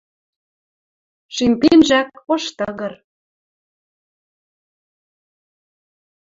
Шим пинжӓк, ош тыгыр